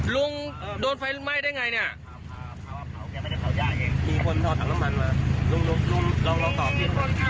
ลุงโดนไฟไหม้ได้อย่างไรนี่